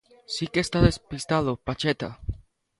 Si que está despistado Pacheta.